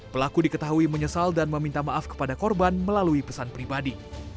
pelaku diketahui menyesal dan meminta maaf kepada korban melalui pesan pribadi